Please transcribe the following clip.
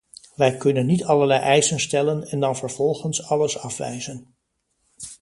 We kunnen niet allerlei eisen stellen, en dan vervolgens alles afwijzen.